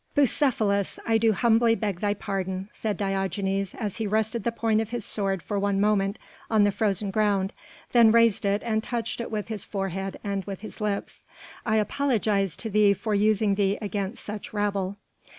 "Bucephalus, I do humbly beg thy pardon," said Diogenes as he rested the point of his sword for one moment on the frozen ground, then raised it and touched it with his forehead and with his lips, "I apologize to thee for using thee against such rabble."